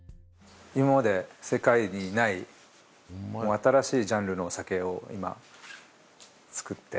今まで世界にない新しいジャンルの酒を今造って。